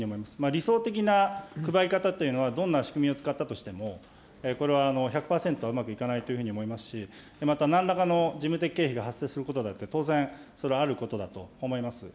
理想的な配り方というのは、どんな仕組みを使ったとしても、これは１００％はうまくいかないというふうには思いますし、また、なんらかの事務的経費が発生することだって、当然、それはあることだと思います。